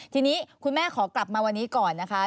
ทีนี้คุณแม่ขอกลับมาวันนี้ก่อนนะคะ